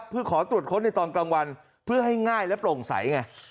เพื่อขอตรวจค้นในตอนกลางวันเพื่อให้ง่ายและโปร่งใสไง